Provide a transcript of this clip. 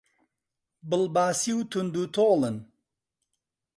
بڵباسی و توند و تۆڵن